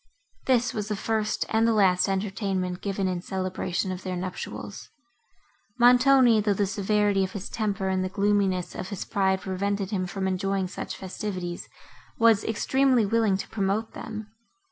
This was the first and the last entertainment, given in celebration of their nuptials. Montoni, though the severity of his temper and the gloominess of his pride prevented him from enjoying such festivities, was extremely willing to promote them.